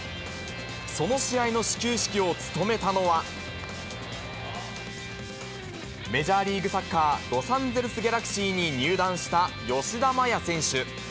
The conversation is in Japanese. その試合の始球式を務めたのは、メジャーリーグサッカー・ロサンゼルスギャラクシーに入団した吉田麻也選手。